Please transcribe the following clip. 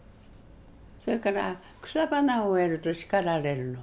それから草花を植えると叱られるの。